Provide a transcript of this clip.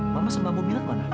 mama sembah bu minat mana